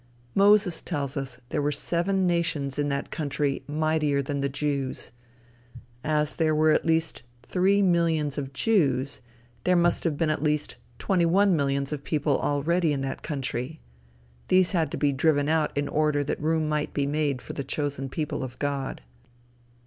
Moses tells us there were seven nations in that country mightier than the Jews. As there were at least three millions of Jews, there must have been at least twenty one millions of people already in that country. These had to be driven out in order that room might be made for the chosen people of God.